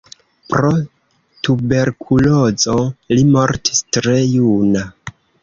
Pro tuberkulozo li mortis tre juna.